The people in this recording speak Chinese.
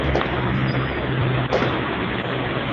本鱼栖息于海岸沼泽与泛滥区域。